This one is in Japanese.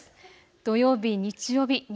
土曜日、日曜日西